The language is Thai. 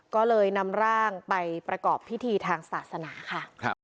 ก็เลยนำร่างไปประกอบพิธีทางศาสนาค่ะ